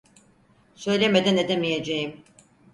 Söylemeden edemeyeceğim.